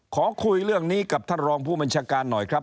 ขอคุยเรื่องนี้กับท่านรองผู้บัญชาการหน่อยครับ